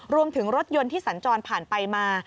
รวมถึงรถยนต์ที่สัญจรผ่านไปมา